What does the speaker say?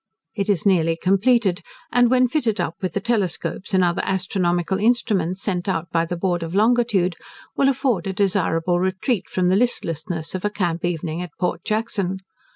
It is nearly completed, and when fitted up with the telescopes and other astronomical instruments sent out by the Board of Longitude, will afford a desirable retreat from the listlessness of a camp evening at Port Jackson.